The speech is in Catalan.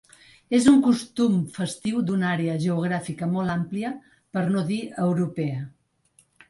És un costum festiu d’una àrea geogràfica molt àmplia, per no dir europea.